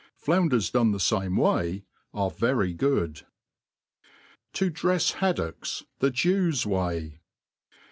Flounders done the fame way are very good. To drefi Haddocks the Jews IVqy.